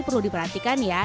perlu diperhatikan ya